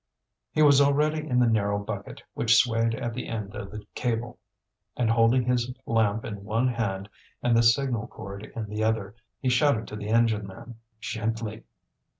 He was already in the narrow bucket, which swayed at the end of the cable; and holding his lamp in one hand and the signal cord in the other, he shouted to the engine man: "Gently!"